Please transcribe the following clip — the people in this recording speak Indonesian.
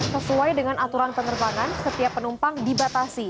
sesuai dengan aturan penerbangan setiap penumpang dibatasi